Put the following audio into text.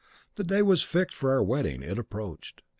The day was fixed for our wedding, it approached.